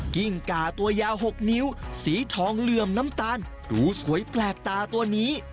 กิ้งกาตัวยาว๖นิ้วสีทองเหลื่อมน้ำตาลดูสวยแปลกตาตัวนี้